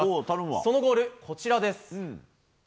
そのゴール、こちらです。